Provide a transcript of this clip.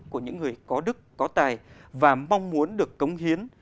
của những người có đức có tài và mong muốn được cống hiến